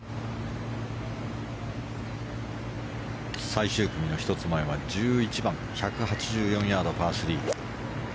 最終組の１つ前は１１番１８４ヤード、パー３。